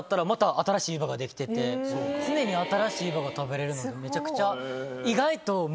できてて常に新しいのが食べれるのめちゃくちゃ。